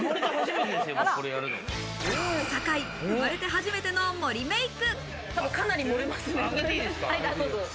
坂井、生まれて初めての盛りメイク。